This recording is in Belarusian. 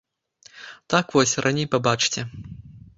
Так вось, раней пабачце.